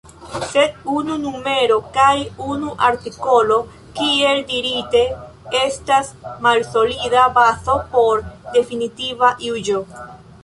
Sed unu numero kaj unu artikolo, kiel dirite, estas malsolida bazo por definitiva juĝo.